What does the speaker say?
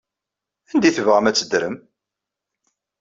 Anda ay tebɣam ad teddrem?